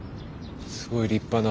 すごい立派な。